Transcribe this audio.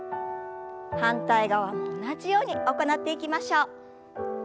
反対側も同じように行っていきましょう。